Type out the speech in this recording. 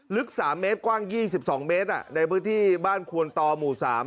ลึก๓เมตรกว้าง๒๒เมตรในพื้นที่บ้านควนตอหมู่๓